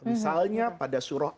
misalnya pada surah